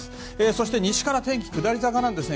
そして西から天気、下り坂です。